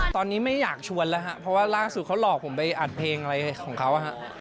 ตอนนี้ไม่อยากชวนแล้วครับเพราะว่าล่าสุดเขาหลอกผมไปอัดเพลงอะไรของเขา